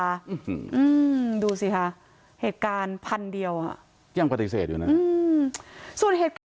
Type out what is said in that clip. อืมดูสิค่ะเหตุการณ์พันเดียวอ่ะยังปฏิเสธอยู่นะอืมส่วนเหตุการณ์